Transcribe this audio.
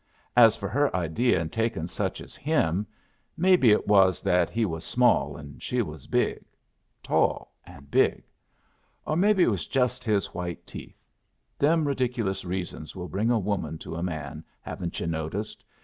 As for her idea in takin' such as him maybe it was that he was small and she was big; tall and big. Or maybe it was just his white teeth. Them ridiculous reasons will bring a woman to a man, haven't yu' noticed?